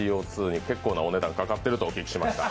ＣＯ２に結構なお値段かかってるとお聞きしました。